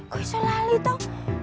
kok bisa lali toh